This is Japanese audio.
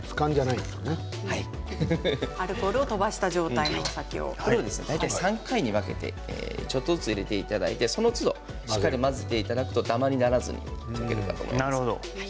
アルコールをこれを大体３回に分けてちょっとずつ入れていただいてそのつど、しっかり混ぜていただくとダマにならずに溶けるかと思います。